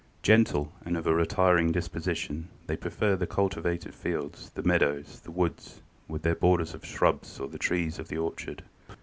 Gentle and of a retiring disposition, they prefer the cultivated fields, the meadows, the woods with their borders of shrubs or the trees of the orchard.